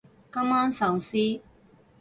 今晚壽司